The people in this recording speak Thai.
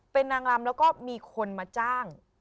เป็นนางรำแล้วก็มีคนมาจ้าง